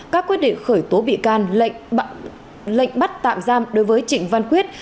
các quyết định khởi tố bị can lệnh bắt tạm giam đối với trịnh văn quyết